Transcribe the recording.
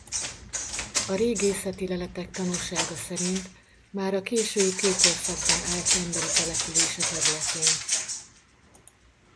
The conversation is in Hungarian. A régészeti leletek tanúsága szerint már a késői kőkorszakban állt emberi település a területén.